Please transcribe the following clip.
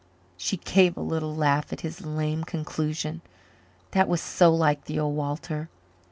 She gave a little laugh at his lame conclusion. That was so like the old Walter.